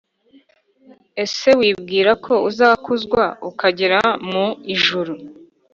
ese wibwira ko uzakuzwa ukagera mu ijuru